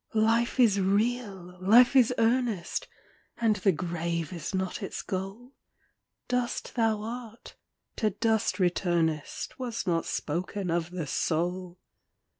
Life is real ! Life is earnest ! And the grave is not its goal ; Dust thou art, to dust returnest, Was not spoken of the soul.